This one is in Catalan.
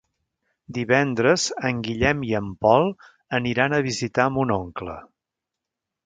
Divendres en Guillem i en Pol aniran a visitar mon oncle.